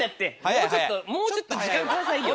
もうちょっともうちょっと時間くださいよ。